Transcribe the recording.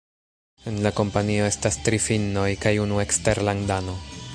En la kompanio estas tri finnoj kaj unu eksterlandano.